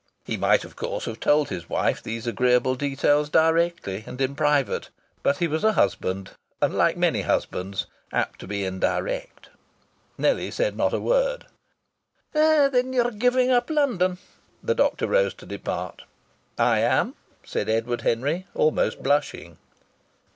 He might of course have told his wife these agreeable details directly, and in private. But he was a husband, and, like many husbands, apt to be indirect. Nellie said not a word. "Then you're giving up London?" The doctor rose to depart. "I am," said Edward Henry, almost blushing.